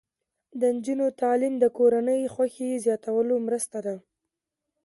د نجونو تعلیم د کورنۍ خوښۍ زیاتولو مرسته ده.